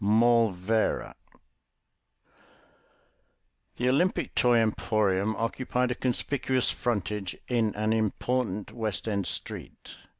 MORLVERA The Olympic Toy Emporium occupied a conspicuous frontage in an important West End street.